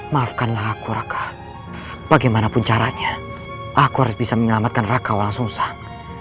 maafkanlah aku raka bagaimanapun caranya aku harus bisa menyelamatkan raka walang sungsang